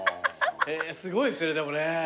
すごいですねでもね。